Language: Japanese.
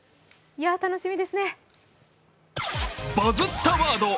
楽しみですね。